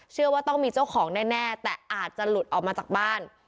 เชื่อว่าต้องมีเจ้าของแน่แต่อาจจะหลุดออกมาจากบ้าน